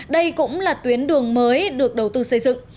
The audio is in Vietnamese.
đây cũng là tuyến đường mới được đầu tư xây dựng